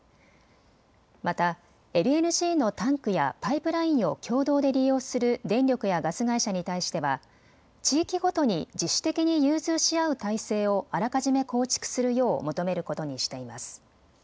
またＬＮＧのタンクやパイプラインを共同で利用する電力やガス会社に対しては地域ごとに自主的に融通し合う体制をあらかじめ構築するよう求めることにしています。